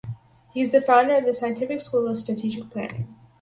He is the founder of the Scientific School of Strategic Planning.